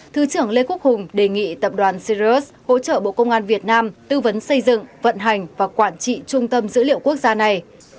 thứ trưởng lê quốc hùng đề nghị tập đoàn sirius hỗ trợ bộ công an việt nam tư vấn xây dựng vận hành và quản trị trung tâm dữ liệu quốc gia này